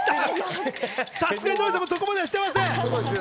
さすがのノリさんもそこまでしてません。